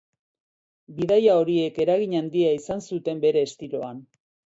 Bidaia horiek eragin handia izan zuten bere estiloan.